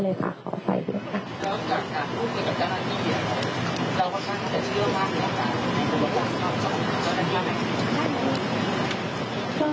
แล้วจากการพูดเกี่ยวกับเจ้าหน้าที่เกี่ยว